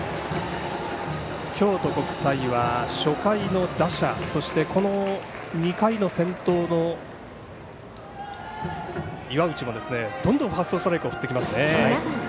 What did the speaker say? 京都国際は初回の打者そして、この２回の先頭の岩内もどんどんファーストストライクを振ってきますね。